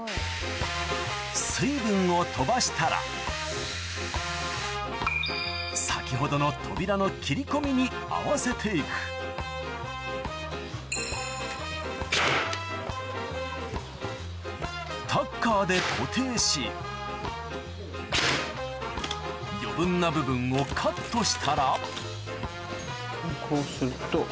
水分を飛ばしたら先ほどの扉の切り込みに合わせていくタッカーで固定し余分な部分をカットしたらこうすると。